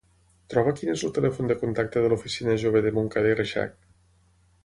Troba quin és el telèfon de contacte de l'oficina jove de Montcada i Reixac.